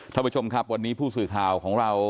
ท่านผู้ชมครับวันนี้ผู้สื่อข่าวของเรา